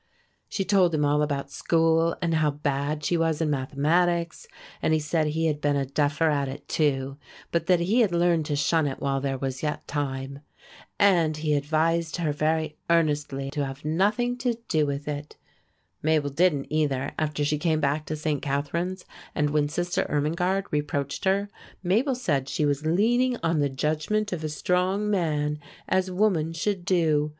She told him all about school and how bad she was in mathematics; and he said he had been a duffer at it too, but that he had learned to shun it while there was yet time. And he advised her very earnestly to have nothing to do with it. Mabel didn't, either, after she came back to St. Catharine's; and when Sister Irmingarde reproached her, Mabel said she was leaning on the judgment of a strong man, as woman should do.